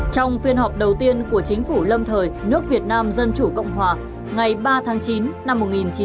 trong phiên họp đầu tiên của chính phủ lâm thời nước việt nam dân chủ cộng hòa ngày ba tháng chín năm một nghìn chín trăm bảy mươi